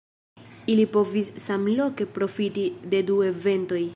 Ili povis samloke profiti de du eventoj.